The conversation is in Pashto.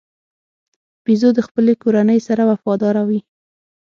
بیزو د خپلې کورنۍ سره وفاداره وي.